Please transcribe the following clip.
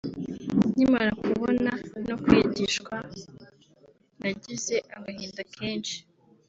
nkimara kubona no kwigishwa nagize agahinda kenshi